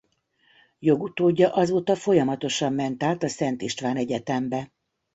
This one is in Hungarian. Jogutódja azóta folyamatosan ment át a Szent István Egyetembe.